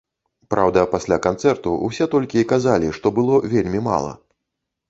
Праўда, пасля канцэрту ўсе толькі і казалі, што было вельмі мала.